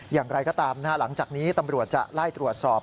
อย่างไรก็ตามหลังจากนี้ตำรวจจะไล่ตรวจสอบ